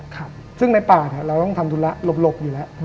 คำซึ่งในป่าทเราต้องทำธุระหลบอยู่ละ